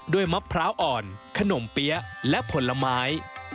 มะพร้าวอ่อนขนมเปี๊ยะและผลไม้